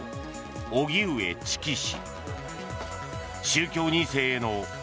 荻上チキ氏。